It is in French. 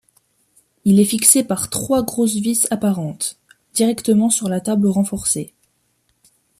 Il est fixé par trois grosses vis apparentes, directement sur la table renforcée.